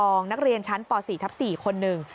ผู้ปกครองนักเรียนชั้นป๔ทัพ๔คนนึง